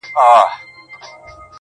ما دي څڼي تاوولای!!